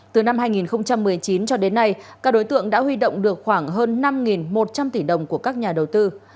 từ năm hai nghìn một mươi chín cho đến nay các đối tượng đã huy động được khoảng hơn năm một trăm linh tỷ đồng của các đối tượng